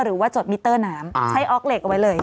จดมิเตอร์น้ำใช้ออกเหล็กเอาไว้เลย